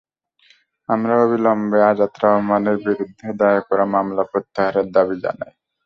আমরাও অবিলম্বে আজাদ রহমানের বিরুদ্ধে দায়ের করা মামলা প্রত্যাহারের দাবি জানাই।